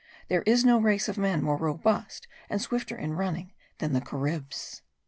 There is no race of men more robust and swifter in running than the Caribs.